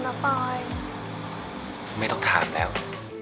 ชื่อฟอยแต่ไม่ใช่แฟง